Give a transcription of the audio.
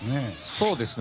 そうですね。